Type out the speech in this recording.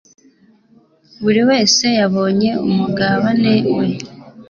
Buri wese yabonye umugabane we.